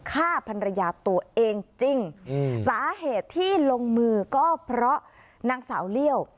ฆ่าพันรยาตัวเองจริงสาเหตุที่ลงมือก็เพราะนางสาวเลี่ยว